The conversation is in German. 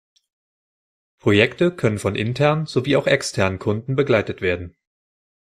Projekte können von internen sowie auch externen Kunden begleitet werden.